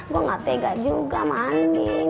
gua gak tega juga sama adin